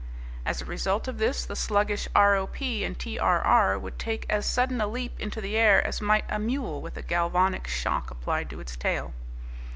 As a result of this, the sluggish R.O.P. and T.R.R. would take as sudden a leap into the air as might a mule with a galvanic shock applied to its tail.